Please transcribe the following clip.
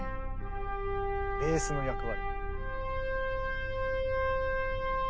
ベースの役割。